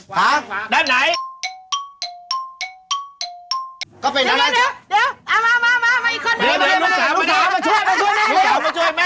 มายุงแม่อยู่นี่หรือไม่มานี่